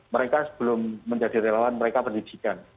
mereka sebelum menjadi relawan mereka pendidikan